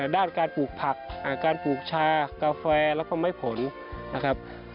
ด้านการปลูกผักการปลูกชากาแฟแล้วก็ไม้ผลนะครับ